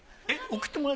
えっ！？